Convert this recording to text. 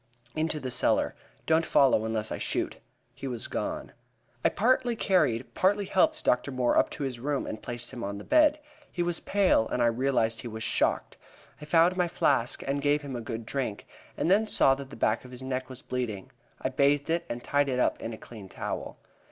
"Into the cellar. Don't follow, unless I shoot." He was gone. I partly carried, partly helped Dr. Moore up to his room and placed him on the bed. He was pale, and I realized he was shocked. I found my flask, and gave him a good drink, and then saw that the back of his neck was bleeding. I bathed it, and tied it up in a clean towel.